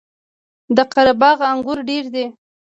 د قره باغ انګور ډیر دي